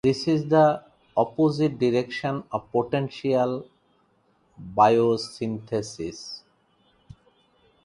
This is the opposite direction of protein biosynthesis.